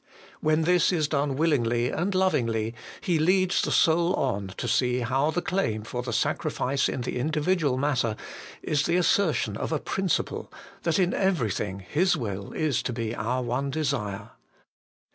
When this is done willingly and lovingly, He leads the soul on to see how the claim for the sacrifice in the in dividual matter is the assertion of a principle that in everything His will is to be our one desire.